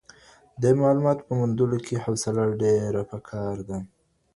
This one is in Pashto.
د معلوماتو په موندلو کي حوصله ډېره پکار ده.